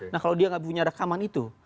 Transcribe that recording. nah kalau dia nggak punya rekaman itu